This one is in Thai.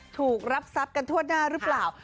ถูกรับทรัพย์กันทั่วหน้าหรือเปล่า